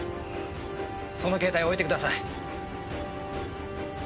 その携帯置いてください。